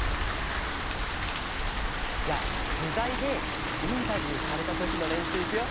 じゃあしゅざいでインタビューされたときのれんしゅういくよ？